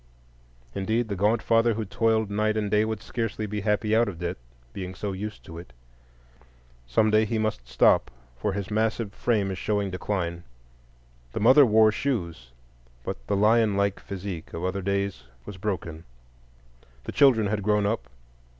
Indeed, the gaunt father who toiled night and day would scarcely be happy out of debt, being so used to it. Some day he must stop, for his massive frame is showing decline. The mother wore shoes, but the lion like physique of other days was broken. The children had grown up.